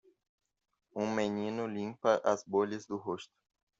um menino limpa as bolhas do rosto.